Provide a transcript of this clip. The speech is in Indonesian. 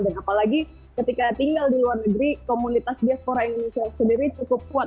dan apalagi ketika tinggal di luar negeri komunitas diaspora indonesia sendiri cukup kuat